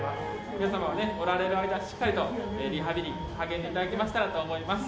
皆様、おられる間しっかりとリハビリに励んでいただけましたらと思います。